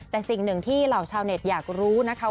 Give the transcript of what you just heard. แต่สิ่งหนึ่งที่เหล่าชาวเน็ตอยากรู้นะคะ